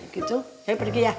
gitu saya pergi ya